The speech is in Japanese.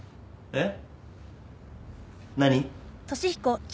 えっ？